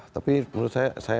tapi menurut saya